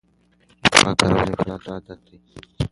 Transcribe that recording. مسواک کارول یو ښه عادت دی.